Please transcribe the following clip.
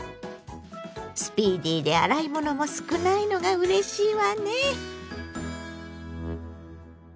スピーディーで洗い物も少ないのがうれしいわね。